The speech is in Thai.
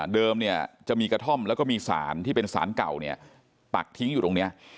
เดิมจะมีกระท่อมแล้วก็มีศาลที่เป็นศาลเก่าปักทิ้งอยู่ตรงนี้